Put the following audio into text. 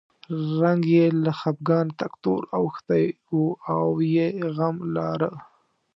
رنګ یې له خپګانه تک تور اوښتی و او یې غم لاره.